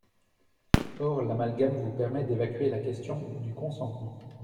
Or, l’amalgame vous permet d’évacuer la question du consentement.